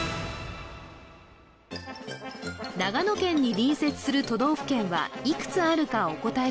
長野県に隣接する都道府県はいくつあるかお答え